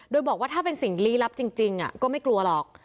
โดยบอกว่าถ้าเป็นสิ่งลี้ลับจริงก็ไม่กลัวหรอก